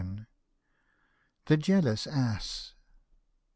THE JEALOUS ASS.